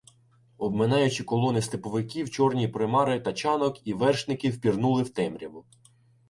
Обминаючи колони степовиків, чорні примари тачанок і вершників пірнули в темряву.